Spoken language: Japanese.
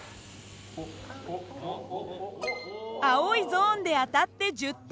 青いゾーンで当たって１０点。